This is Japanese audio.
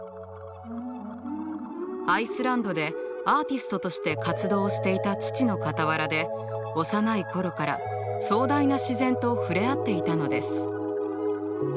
アイスランドでアーティストとして活動していた父の傍らで幼い頃から壮大な自然と触れ合っていたのです。